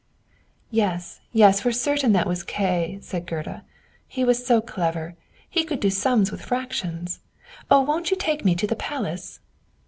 "Yes, yes, for certain that was Kay," said Gerda. "He was so clever; he could do sums with fractions. Oh, won't you take me to the palace?"